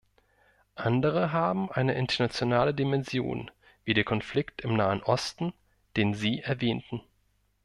Andere haben eine internationale Dimension, wie der Konflikt im Nahen Osten, den Sie erwähnten.